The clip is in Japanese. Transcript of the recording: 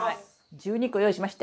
１２個用意しましたよ。